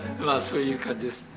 そういう感じです。